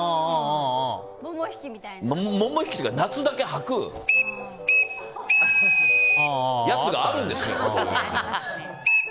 ももひきというか夏だけ、はくやつがあるんですよ。